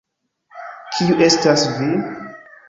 Kiu estas vi?